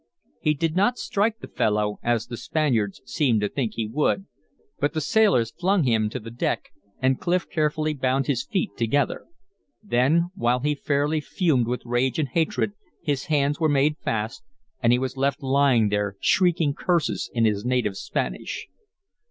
He did not strike the fellow, as the Spaniards seemed to think he would. But the sailors flung him to the deck and Clif carefully bound his feet together. Then, while he fairly fumed with rage and hatred, his hands were made fast and he was left lying there, shrieking curses in his native Spanish.